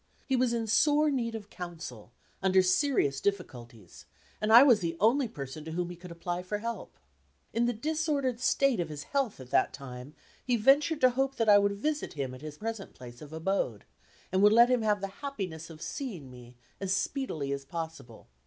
He was in sore need of counsel, under serious difficulties; and I was the only person to whom he could apply for help. In the disordered state of his health at that time, he ventured to hope that I would visit him at his present place of abode, and would let him have the happiness of seeing me as speedily as possible.